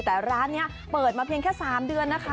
แต่ร้านนี้เปิดมาเพียงแค่๓เดือนนะคะ